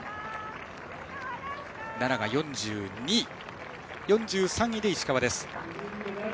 奈良が４２位、４３位で石川。